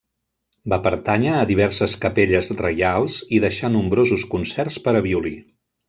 Va pertànyer a diverses capelles reials i deixà nombrosos concerts per a violí.